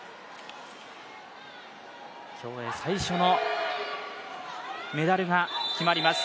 競泳最初のメダルが決まります。